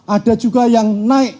ada juga yang naik